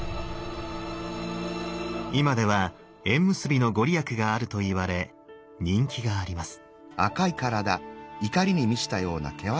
今では縁結びのご利益があるといわれ人気があります。